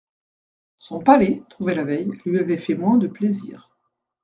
Son palais, trouvé la veille, lui avait fait moins de plaisir.